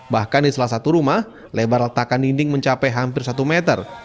bahkan di salah satu rumah lebar retakan dinding mencapai hampir satu meter